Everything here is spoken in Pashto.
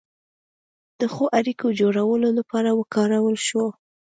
د ښو اړیکو جوړولو لپاره وکارول شوه.